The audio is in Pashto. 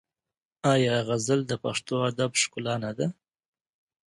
آیا غزل د پښتو ادب ښکلا نه ده؟